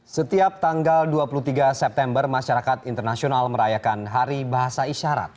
setiap tanggal dua puluh tiga september masyarakat internasional merayakan hari bahasa isyarat